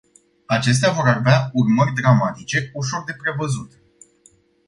Acestea vor avea urmări dramatice, ușor de prevăzut.